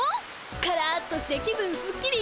カラッとして気分すっきり。